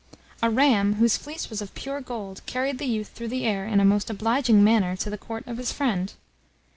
A ram, whose fleece was of pure gold, carried the youth through the air in a most obliging manner to the court of his friend.